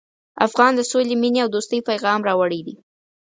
افغان د سولې، مینې او دوستۍ پیغام راوړی دی.